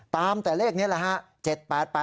ตามแต่เลขนี้แหละฮะ